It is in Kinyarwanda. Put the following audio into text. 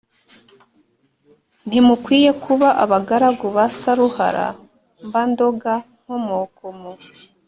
Ntimukwiye kuba abagaragu ba Saruhara, mba ndoga Nkomokomo!